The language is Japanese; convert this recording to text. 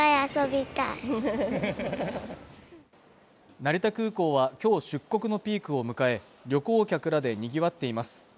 成田空港は今日出国のピークを迎え旅行客らでにぎわっています